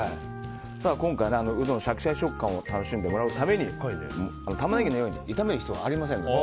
今回、ウドのシャキシャキ食感を楽しんでもらうためにタマネギも炒める必要がありません。